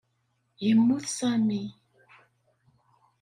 Yemmut Sami.